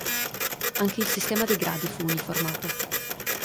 Anche il sistema dei gradi fu uniformato.